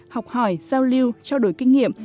học hỏi giao lưu trao đổi kinh nghiệm